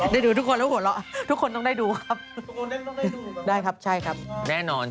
ดูทุกคนแล้วหัวเราะทุกคนต้องได้ดูครับได้ครับใช่ครับแน่นอน